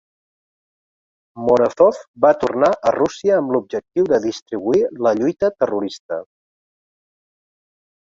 Morozov va tornar a Rússia amb l'objectiu de distribuir "La lluita terrorista".